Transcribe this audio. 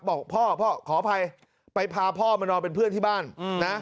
บอกพ่อพ่อขออภัยไปพาพ่อมานอนเป็นเพื่อนที่บ้านนะ